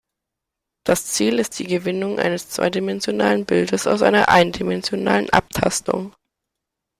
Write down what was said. Das Ziel ist die Gewinnung eines zweidimensionalen Bildes aus einer eindimensionalen Abtastung.